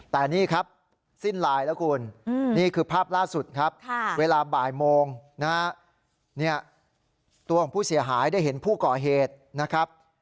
แต่นี่ครับสิ้นลายแล้วคุณนี่คือภาพล่าสุดครับเวลาบ่ายโมงนะฮะตัวของผู้เสียหายได้เห็นผู้ก่อเหตุนะครับ